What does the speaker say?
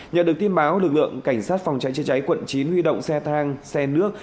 nhận được tin báo lực lượng cảnh sát phòng cháy chữa cháy quận chín huy động xe thang xe nước